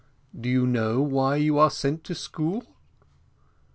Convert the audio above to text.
"Do you know why you are sent to school?"